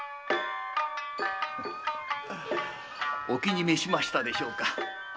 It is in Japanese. お気にめしましたでしょうか？